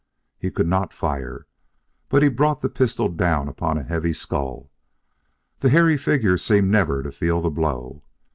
He could not fire; but he brought the pistol down upon a heavy skull. The hairy figure seemed never to feel the blow.